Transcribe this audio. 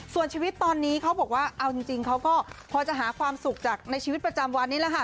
ส่วนชีวิตตอนนี้เขาบอกว่าเอาจริงเขาก็พอจะหาความสุขจากในชีวิตประจำวันนี้แหละค่ะ